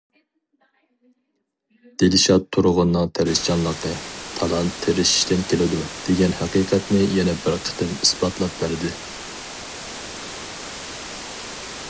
دىلشات تۇرغۇننىڭ تىرىشچانلىقى‹‹ تالانت تىرىشىشتىن كېلىدۇ›› دېگەن ھەقىقەتنى يەنە بىر قېتىم ئىسپاتلاپ بەردى.